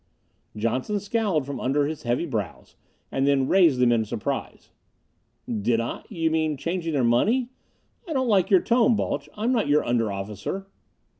Johnson scowled from under his heavy brows, and then raised them in surprise. "Did I? You mean changing their money? I don't like your tone, Balch. I'm not your under officer!"